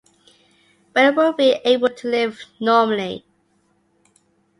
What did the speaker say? When will be able to live normally?